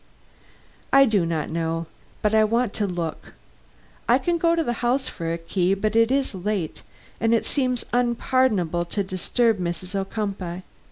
"I do not know. But I want to look. I can go to the house for a key, but it is late; and it seems unpardonable to disturb Mrs. Ocumpaugh.